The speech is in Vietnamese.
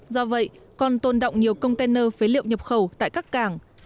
do vậy còn tồn động nhiều container phế liệu nhập khẩu tại các cảng